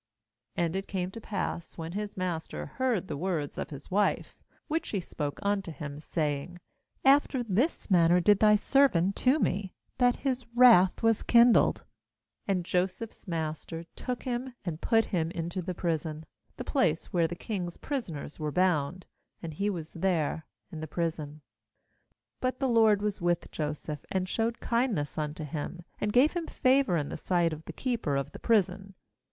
19And it came to pass, when his master heard the words of his wife, which she spoke unto him, say ing: 'After this manner did thy servant to me'; that his wrath was kindled. 20And Joseph's master took him, and put him into the prison, the place where the king's prisoners were bound; and he was there in the prison. ^But the LORD was with Joseph, and showed kindness unto him, and gave him favour in the sight of the keeper of the prison.